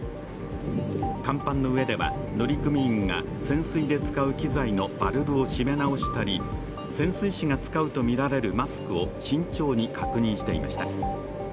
甲板の上では乗組員が潜水で使う機材のバルブを締め直したり、潜水士が使うとみられるマスクを慎重に確認していました。